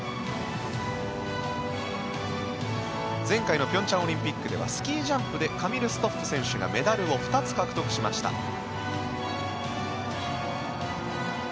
前回の平昌オリンピックではスキージャンプでカミル・ストッフ選手がメダルを２つ獲得しました。